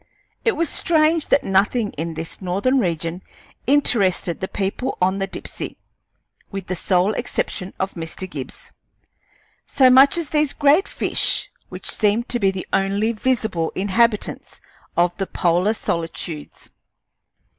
It was strange that nothing in this Northern region interested the people on the Dipsey (with the sole exception of Mr. Gibbs) so much as these great fish, which seemed to be the only visible inhabitants of the polar solitudes.